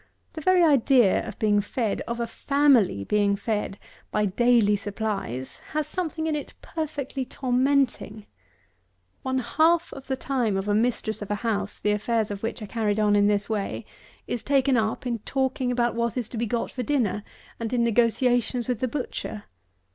The very idea of being fed, of a family being fed, by daily supplies, has something in it perfectly tormenting. One half of the time of a mistress of a house, the affairs of which are carried on in this way, is taken up in talking about what is to be got for dinner, and in negotiations with the butcher.